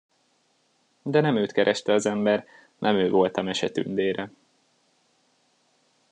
De nem őt kereste az ember, nem ő volt a mese tündére.